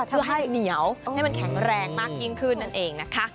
เพื่อให้เหนียวให้มันแข็งแรงมากยิ่งขึ้นนั่นเองนะคะ